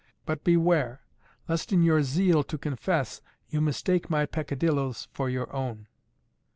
"But beware, lest in your zeal to confess you mistake my peccadillos for your own."